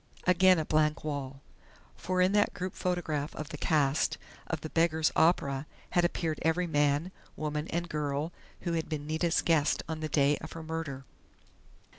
Again a blank wall! For in that group photograph of the cast of "The Beggar's Opera" had appeared every man, woman and girl who had been Nita's guest on the day of her murder....